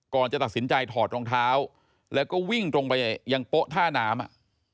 ก่อนจะตัดสินใจถอดรองเท้าแล้วก็วิ่งตรงไปยังโป๊ะท่าน้ำ